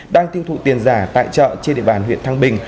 đang tiêu thụ tiền giả tại chợ trên địa bàn huyện thăng bình